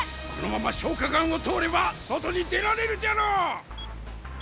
このまま消化管を通れば外に出られるじゃろう！